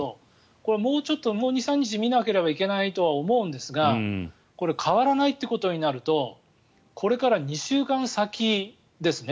これ、もう２３日見ないといけないとは思いますが変わらないということになるとこれから２週間先ですね。